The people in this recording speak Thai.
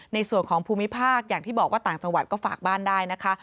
ในส่วนของภูมิภาคอย่างที่บอกว่าต่างจังหวัดก็ฝากบ้านได้นะคะ